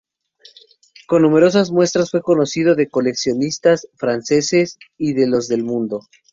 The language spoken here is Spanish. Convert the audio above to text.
Con numerosas muestras fue conocido de los coleccionistas franceses y de los del Mundo.